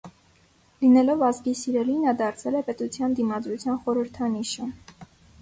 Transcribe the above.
Լինելով ազգի սիրելին, նա դարձել է պետության դիմադրության խորհրդանիշը։